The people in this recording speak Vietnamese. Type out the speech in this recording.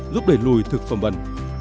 giúp đẩy lùi thực phẩm bẩn